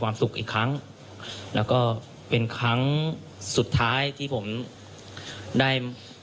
สุขอีกครั้งแล้วก็เป็นครั้งสุดท้ายที่ผมได้